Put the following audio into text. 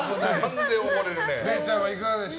れいちゃんはいかがでした？